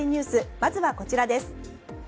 まずは、こちらです。